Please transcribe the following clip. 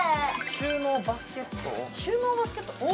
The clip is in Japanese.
収納バスケット？